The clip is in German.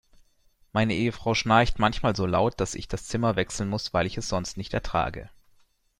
Meine Ehefrau schnarcht manchmal so laut, dass ich das Zimmer wechseln muss, weil ich es sonst nicht ertrage.